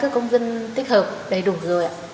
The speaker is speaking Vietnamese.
các công dân tích hợp đầy đủ rồi ạ